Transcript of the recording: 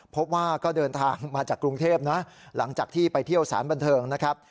พบว่าก็เดินทางมาจากกรุงเทพนะหลังจากที่ไปเที่ยวสารบันเทิงนะครับ